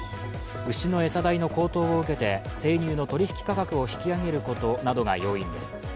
牛の餌代の高騰を受けて生乳の取引価格を引き上げることなどが要因です。